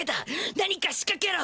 何か仕掛けろ！